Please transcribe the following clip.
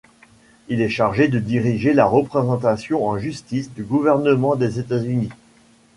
Il est chargé de diriger la représentation en justice du gouvernement des États-Unis.